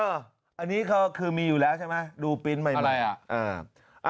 อ่าอันนี้เขาคือมีอยู่แล้วใช่ไหมดูปีนใหม่อะไรอ่ะอ่า